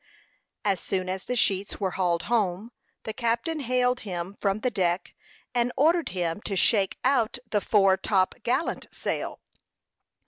As soon as the sheets were hauled home, the captain hailed him from the deck, and ordered him to shake out the fore top gallant sail.